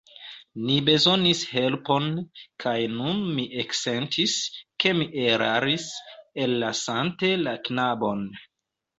Ni bezonis helpon, kaj nun mi eksentis, ke mi eraris, ellasante la knabon.